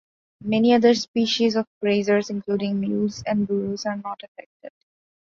Many other species of grazers, including mules and burros, are not affected.